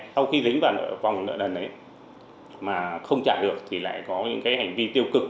sau khi dính vào vòng nợ lần ấy mà không trả được thì lại có những hành vi tiêu cực